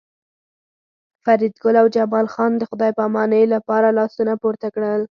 فریدګل او جمال خان د خدای پامانۍ لپاره لاسونه پورته کړل